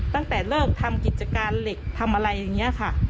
ตั้งแต่เลิกทำกิจการเหล็กทำอะไรอย่างนี้ค่ะ